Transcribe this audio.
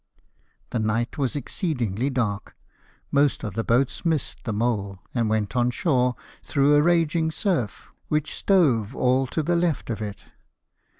The night was exceedingly dark ; most of the boats missed the mole, and went on shore through a raging surf, which stove all to the left of it.